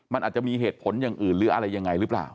มันอาจจะมีเหตุผลอย่างอื่นหรืออะไรยังไงหรือเปล่า